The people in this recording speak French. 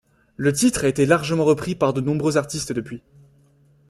Le titre a été largement repris par de nombreux artistes depuis.